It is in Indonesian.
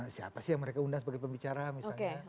siapa sih yang mereka undang sebagai pembicara misalnya